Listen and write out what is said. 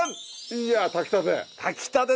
いや炊きたて！